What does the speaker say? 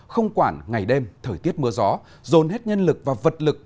không quản ngày đêm thời tiết mưa gió dồn hết nhân lực và vật lực